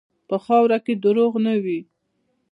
په خاوره کې دروغ نه وي.